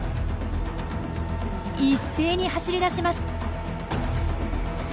一斉に走りだします。